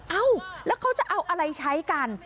เอ้าแล้วเขาจะเอาอะไรใช้กัน